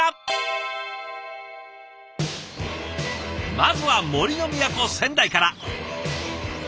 まずは杜の都仙台から。